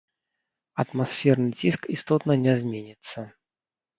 Атмасферны ціск істотна не зменіцца.